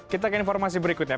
kita ke informasi berikutnya